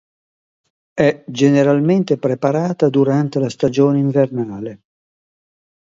È generalmente preparata durante la stagione invernale.